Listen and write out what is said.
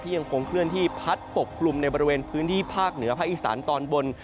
ยังคงเคลื่อนที่พัดปกกลุ่มในบริเวณพื้นที่ภาคเหนือภาคอีสานตอนบน